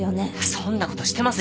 そんなことしてませんよ。